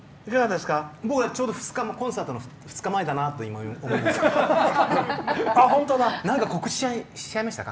ちょうどコンサートの２日前だなと今、思いました。